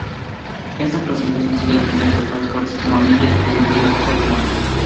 Esta clasificación sigue las líneas dibujadas por el sistema Millet del Imperio otomano.